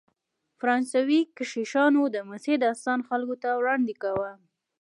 فرانسوي کشیشانو د مسیح داستان خلکو ته وړاندې کاوه.